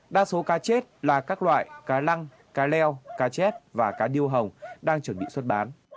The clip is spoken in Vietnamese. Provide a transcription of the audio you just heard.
đa số cá chết là các loại cá lăng cá leo cá chép và cá điêu hồng đang chuẩn bị xuất bán